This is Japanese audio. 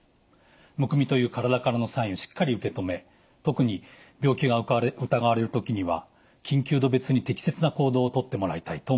むくみという体からのサインをしっかり受け止め特に病気が疑われる時には緊急度別に適切な行動を取ってもらいたいと思います。